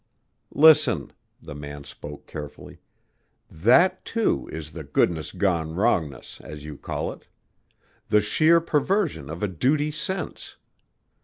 "Listen," the man spoke carefully, "that, too, is the goodness gone wrongness as you call it; the sheer perversion of a duty sense.